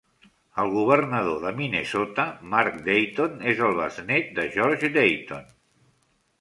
El governador de Minnesota, Mark Dayton, és el besnét de George Dayton.